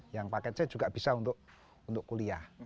yang paket c juga bisa untuk kuliah